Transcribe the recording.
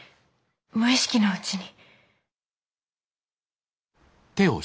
無意識のうちに。